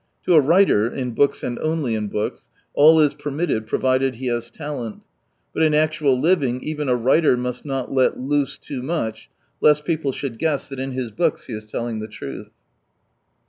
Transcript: To a writer, in books and only in books, all is permitted provided he has talent. But in actual living even a writer must not let loose too much, lest people should guess that in his books he is telling the truth.